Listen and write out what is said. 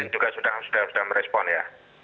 tapi presiden juga sudah merespon ya